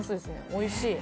おいしい。